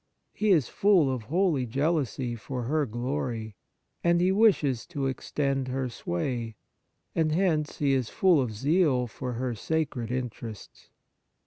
He is full of holy jealousy for her glory, and he wishes to extend her sway ; and hence he is full of zeal for her sacred interests.